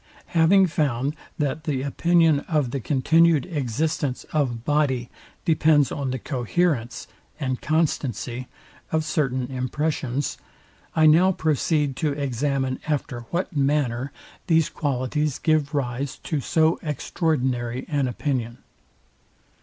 Having found that the opinion of the continued existence of body depends on the COHERENCE, and CONSTANCY of certain impressions, I now proceed to examine after what manner these qualities give rise to so extraordinary an opinion.